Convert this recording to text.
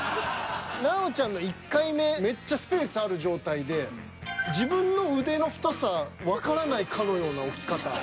奈緒ちゃんの１回目めっちゃスペースある状態で自分の腕の太さわからないかのような置き方。